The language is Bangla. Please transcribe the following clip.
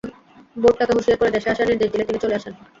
বোর্ড তাঁকে হুঁশিয়ার করে দেশে আসার নির্দেশ দিলে তিনি চলে আসেন।